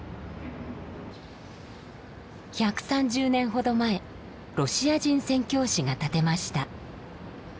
１３０年ほど前ロシア人宣教師が建てました。